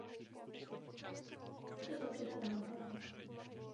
Film se natáčel v Rakousku a v Česku.